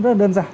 rất đơn giản